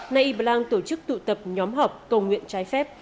nay y blang tổ chức tụ tập nhóm họp cầu nguyện trái phép